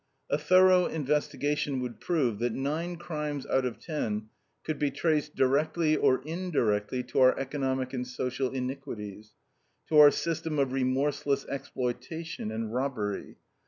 A thorough investigation would prove that nine crimes out of ten could be traced, directly or indirectly, to our economic and social iniquities, to our system of remorseless exploitation and robbery.